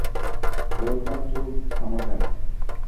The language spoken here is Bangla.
Well come to camp summer.